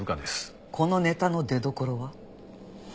このネタの出どころは？